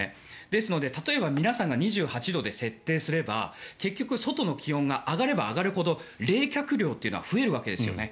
ですので、例えば皆さんが２８度で設定すれば結局、外の気温が上がれば上がるほど冷却量は増えるわけですね。